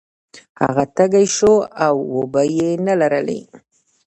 هغه تږی شو او اوبه یې نلرلې.